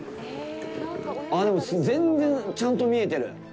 あっ、でも全然ちゃんと見えてる。